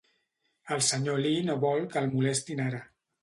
El senyor Lee no vol que el molestin ara.